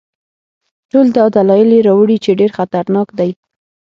ټول دا دلایل یې راوړي چې ډېر خطرناک دی.